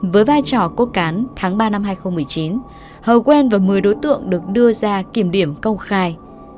với vai trò cốt cán tháng ba năm hai nghìn một mươi chín hờ quen và một mươi đối tượng được đưa ra kiểm điểm công khai